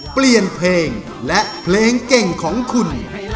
เปลี่ยนเพลงและเพลงเก่งของคุณ